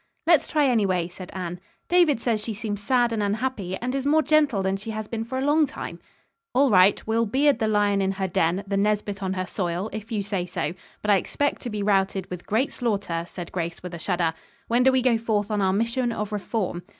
"Let's try, anyway," said Anne. "David says she seems sad and unhappy, and is more gentle than she has been for a long time." "All right, we'll beard the lion in her den, the Nesbit on her soil, if you say so. But I expect to be routed with great slaughter," said Grace with a shudder. "When do we go forth on our mission of reform?"